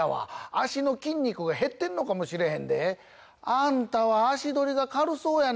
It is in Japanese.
脚の筋肉が減ってんのかもしれへんであんたは脚どりが軽そうやな？